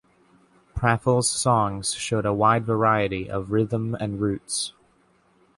Praful's songs show a wide variety of rhythm and roots.